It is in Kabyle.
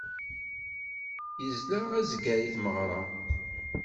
Izla azger i tmeɣra.